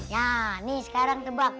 ya nih sekarang tebak